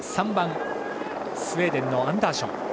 ３番スウェーデンのアンダーション。